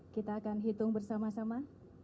kita akan hitung bersama sama